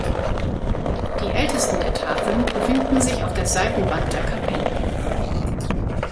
Die ältesten der Tafeln befinden sich auf der Seitenwand der Kapelle.